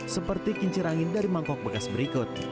seperti kincir angin dari mangkok bekas berikut